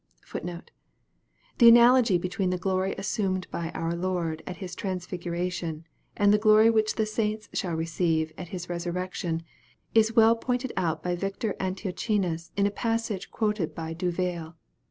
The analogy between the glory assumed by our Lord at His transfiguration, and the glory which the saints shall receive at His resurrection, is well pointed out by Victor Antiochenus in a passage quoted by Du Veil.